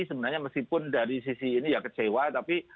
sebenarnya meskipun dari sisi ini ya kecewa tapi